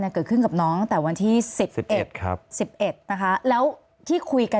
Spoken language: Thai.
เนี้ยเกิดขึ้นกับน้องตั้งแต่วันที่สิบเอ็ดครับสิบเอ็ดนะคะแล้วที่คุยกัน